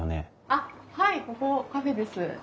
あっはいここカフェです。